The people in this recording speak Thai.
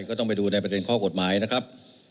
ก็ต้องไปดูในประเด็นข้อกฎหมายนะครับ